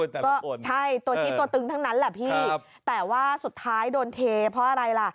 แต่ก็ใช่ตัวทิศตัวตึงทั้งนั้นแหละพี่แต่ว่าสุดท้ายโดนเทเพราะอะไรล่ะ